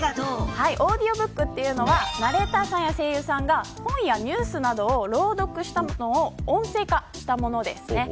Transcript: オーディオブックというのはナレーターや声優さんが本やニュースなどを朗読するのを音声化したものです。